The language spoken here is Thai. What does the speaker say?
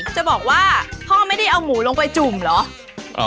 จะบอกว่าพ่อไม่ได้เอาหมูลงไปจุ่มเหรอ